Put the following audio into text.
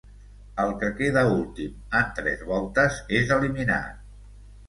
El que queda últim en tres voltes és eliminat.